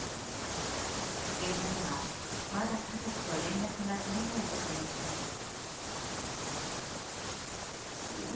現場では、まだ家族と連絡が取れない人の姿が。